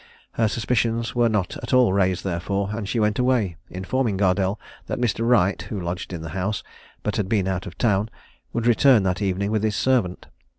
Her suspicions were not at all raised therefore, and she went away, informing Gardelle that Mr. Wright, who lodged in the house, but had been out of town, would return that evening with his servant.